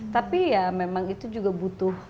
tapi ya memang itu juga butuh